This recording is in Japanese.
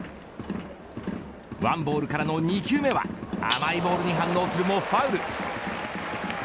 １ボールからの２球目は甘いボールに反応するもファウル。